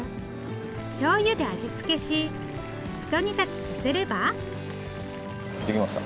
しょうゆで味付けし一煮立ちさせれば。できました！